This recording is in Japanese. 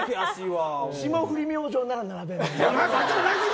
霜降り明星なら並べる。